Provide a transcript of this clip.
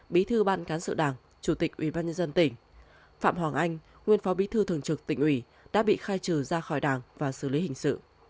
bí thư ban cán sự đảng chủ tịch ủy ban nhân dân tỉnh phạm hoàng anh nguyên phó bí thư thường trực tỉnh ủy đã bị khai trừ ra khỏi đảng và xử lý hình sự